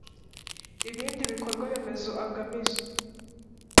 ibindi bikorwa remezo agamije